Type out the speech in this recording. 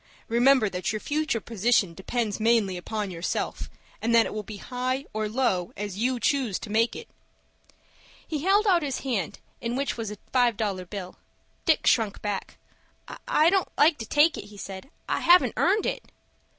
Remember that your future position depends mainly upon yourself, and that it will be high or low as you choose to make it." He held out his hand, in which was a five dollar bill. Dick shrunk back. "I don't like to take it," he said. "I haven't earned it."